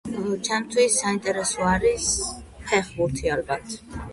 ჩემთვის საინტერესო არის ფეხბურთი ალბათ